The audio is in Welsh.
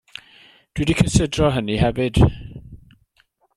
Dw i 'di cysidro hynny hefyd.